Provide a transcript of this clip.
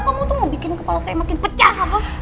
kamu tuh mau bikin kepala saya makin pecah